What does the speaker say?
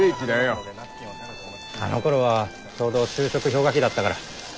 あのころはちょうど就職氷河期だったから。